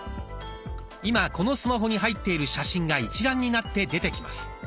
今このスマホに入っている写真が一覧になって出てきます。